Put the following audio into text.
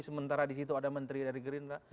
sementara di situ ada menteri dari gerindra